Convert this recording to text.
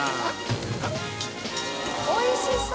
おいしそう！